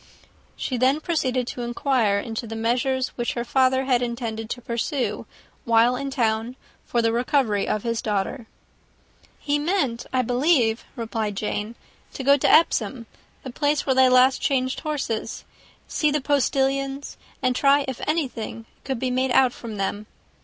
She then proceeded to inquire into the measures which her father had intended to pursue, while in town, for the recovery of his daughter. "He meant, I believe," replied Jane, "to go to Epsom, the place where they last changed horses, see the postilions, and try if anything could be made out from them.